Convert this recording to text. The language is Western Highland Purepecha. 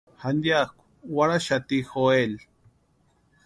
Jantianku warhaxati Joel.